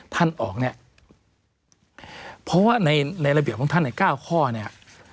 ท่านออกเนี่ยเพราะว่าในในระเบียบของท่านเนี่ย๙ข้อเนี่ย